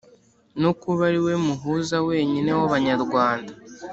no kuba ari we muhuza wenyine w'abanyarwanda.